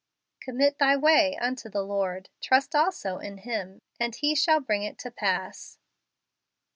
" Commit thy way unto the Lord; trust also in him; and he shall bring it to pass."